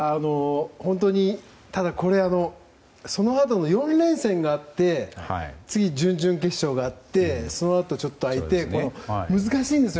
ただ、そのあと４連戦あって次に準々決勝があってそのあとちょっと空いて難しいんですよ。